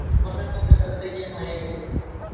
সে বনের মধ্যে বেড়াতে গিয়ে হারিয়ে গেছে।